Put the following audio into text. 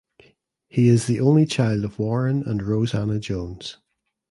He is the only child of Warren and Rose Anna Jones.